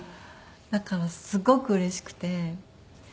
だからすごくうれしくて。